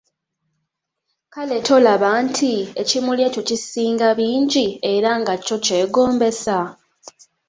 Kale tolaba nti ekimuli ekyo kisinga bingi era nga kyo kyegombesa?